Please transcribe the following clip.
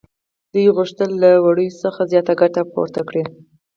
دوی غوښتل له وړیو څخه زیاته ګټه پورته کړي